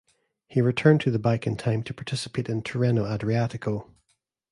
He returned to the bike in time to participate in Tirreno-Adriatico.